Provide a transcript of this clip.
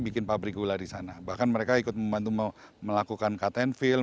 bikin pabrik gula di sana bahkan mereka ikut membantu melakukan cut and fill